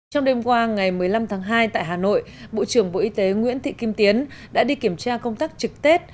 trong đêm qua ngày một mươi năm tháng hai tại hà nội bộ trưởng bộ y tế nguyễn thị kim tiến đã đi kiểm tra công tác trực tết